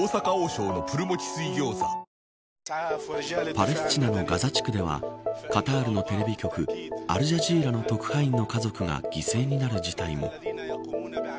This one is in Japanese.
パレスチナのガザ地区ではカタールのテレビ局アルジャジーラの特派員の家族が犠牲になる事態も。